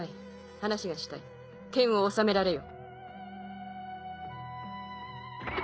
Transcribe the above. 話がしたい剣を収められよ。